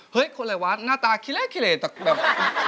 เฮ้ยคนอะไรวะหน้าตาเครียดแต่แบบ